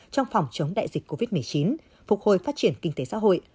trong phòng chống đại dịch covid một mươi chín phục hồi phát triển kinh tế xã hội